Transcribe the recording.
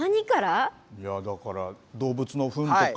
だから、動物のふんとか。